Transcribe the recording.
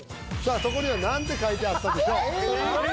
そこには何て書いてあったでしょう？